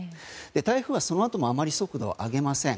台風は、そのあともあまり速度を上げません。